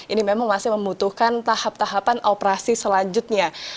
ini memang masih membutuhkan tahap tahapan operasi selanjutnya